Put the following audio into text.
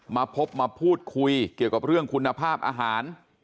มาพบมาพูดคุยเกี่ยวกับเรื่องคุณภาพอาหาร